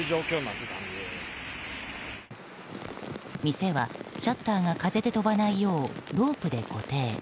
店はシャッターが風で飛ばないようロープで固定。